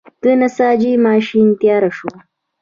د نساجۍ ماشین تیار شو.